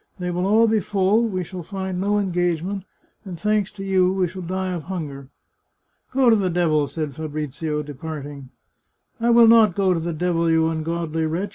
They will all be full, we shall find no engagement, and, thanks to you, we shall die of hunger." " Go to the devil !" said Fabrizio, departing. " I will not go to the devil, you ungodly wretch